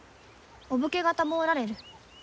お武家方もおられる。